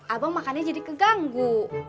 abang makannya jadi keganggu